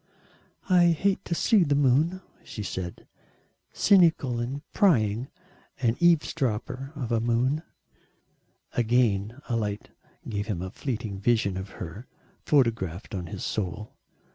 "I hate to see the moon," she said, "cynical and prying an eavesdropper of a moon." Again a light gave him a fleeting vision of her photographed on to his soul.